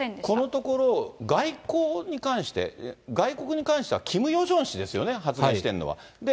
このところ、外交に関して、外国に関してはキム・ヨジョン氏ですよね、発言してるのは。